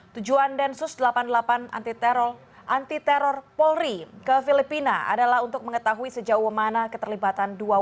tujuan densus delapan puluh delapan anti teror polri ke filipina adalah untuk mengetahui sejauh mana keterlibatan dua warga